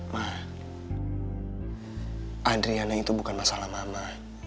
mah adriana itu bukan masalah mama